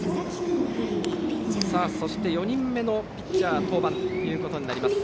そして４人目のピッチャーです。